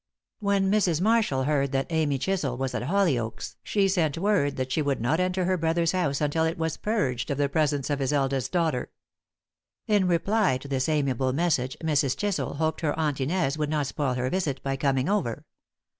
When Mrs. Marshall heard that Amy Chisel was at Hollyoaks she sent word that she would not enter her brother's house until it was purged of the presence of his elder daughter. In reply to this amiable message Mrs. Chisel hoped her aunt Inez would not spoil her visit by coming over.